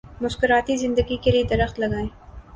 مسکراتی زندگی کے لیے درخت لگائیں۔